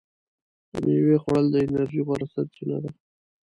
د میوې خوړل د انرژۍ غوره سرچینه ده.